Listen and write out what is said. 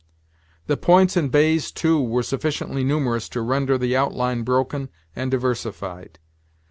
The points and bays, too, were sufficiently numerous to render the outline broken and diversified.